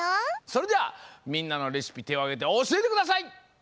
それではみんなのレシピてをあげておしえてください！